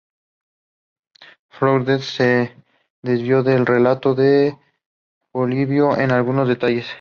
Flaubert se desvió del relato de Polibio en algunos detalles.